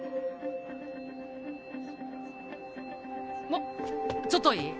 あっちょっといい？